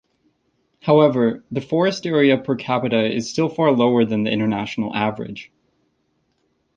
However, the forest area per capita is still far lower than the international average.